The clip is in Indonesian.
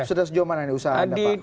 sudah sejauh mana ini usaha anda pak